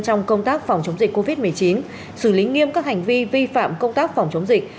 trong công tác phòng chống dịch covid một mươi chín xử lý nghiêm các hành vi vi phạm công tác phòng chống dịch